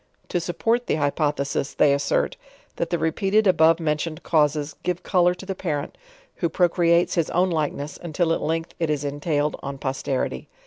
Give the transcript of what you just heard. To support the hypothesis they assert, that the repeated above mentioned causes give color to the parent, who procreates his own likeness, until at length it is entailed on posterity.